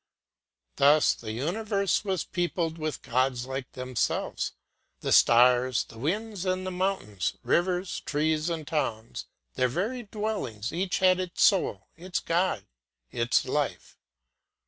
Thus the universe was peopled with gods like themselves. The stars, the winds and the mountains, rivers, trees, and towns, their very dwellings, each had its soul, its god, its life.